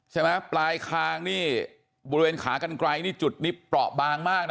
ใช่ไหมครับปลายคางบริเวณขากรรไกรจุดนิบประวัติบางมาก